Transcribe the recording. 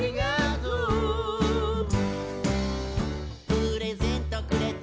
「プレゼントくれて」